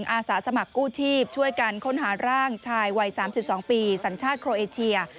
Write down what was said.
อาสาสมัครกู้ชีพช่วยกันค้นหาร่างชายวัย๓๒ปีสัญชาติโครเอเชีย